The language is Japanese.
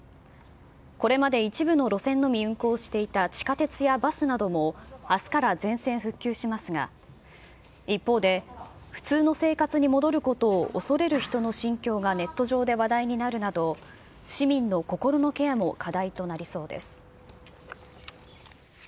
これまで一部の路線のみ運行していた地下鉄やバスなども、あすから全線復旧しますが、一方で、普通の生活に戻ることを恐れる人の心境がネット上で話題になるなど、市民の心のケアも課題となりそうです。